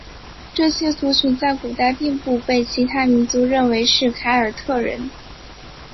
这些族群在古代并不被其他民族认为是凯尔特人。